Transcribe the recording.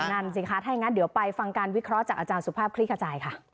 นั่นสิคะถ้าอย่างนั้นเดี๋ยวไปฟังการวิเคราะห์จากอาจารย์สุภาพคลิกขจายค่ะ